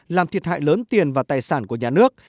làm thiệt hại lớn tiền và tài sản của nhà nước